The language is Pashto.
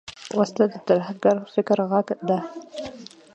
وسله د ترهګر فکر غږ ده